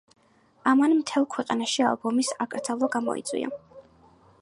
ამან მთელ ქვეყანაში ალბომის აკრძალვა გამოიწვია.